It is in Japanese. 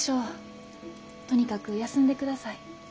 とにかく休んでください。